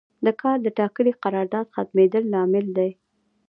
د کار د ټاکلي قرارداد ختمیدل لامل دی.